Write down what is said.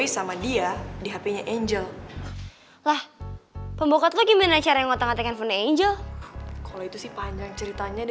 sampai jumpa di video selanjutnya